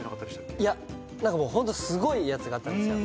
いや何かもうホントすごいやつがあったんですよ。